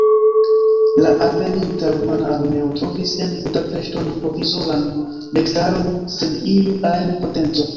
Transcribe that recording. La alveninta rumana armeo trovis en Budapeŝto nur provizoran registaron sen iu ajn potenco.